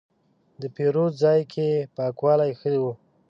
د پیرود ځای کې پاکوالی ښه و.